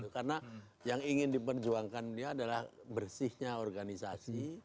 karena yang ingin diperjuangkan dia adalah bersihnya organisasi